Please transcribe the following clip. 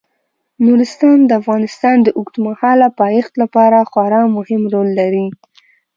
نورستان د افغانستان د اوږدمهاله پایښت لپاره خورا مهم رول لري.